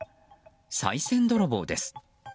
さい銭泥棒です。